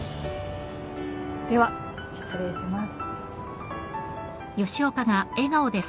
では失礼します。